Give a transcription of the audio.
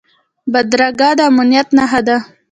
بدرګه د امنیت نښه ده